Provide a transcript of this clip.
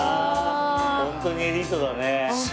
ホントにエリートだね！